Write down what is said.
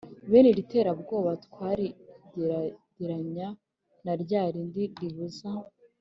bene iritera-bwoba twarigereranya na rya rindi ribuza